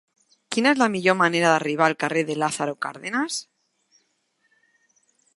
Quina és la millor manera d'arribar al carrer de Lázaro Cárdenas?